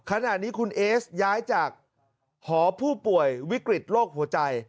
ขณะนี้คุณเอสย้ายจากหอผู้ป่วยวิกฤตโรคหัวใจ